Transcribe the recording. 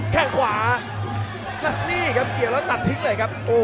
แค่งขวาแล้วนี่ครับเกี่ยวแล้วตัดทิ้งเลยครับ